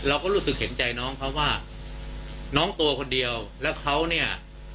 เราก็รู้สึกเห็นใจน้องเขาว่าน้องตัวคนเดียวแล้วเขาเนี่ย